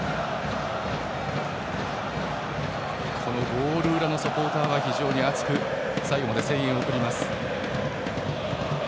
ゴール裏のサポーターは非常に熱く最後まで声援を送ります。